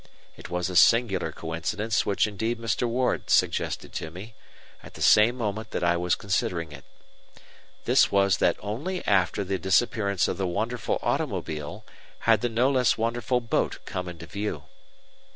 It was a singular coincidence which indeed Mr. Ward suggested to me, at the same moment that I was considering it. This was that only after the disappearance of the wonderful automobile had the no less wonderful boat come into view.